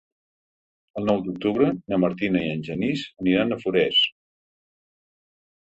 El nou d'octubre na Martina i en Genís aniran a Forès.